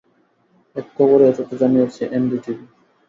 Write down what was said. এক খবরে এ তথ্য জানিয়েছে এনডিটিভি।